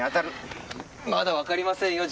まだわかりませんよ。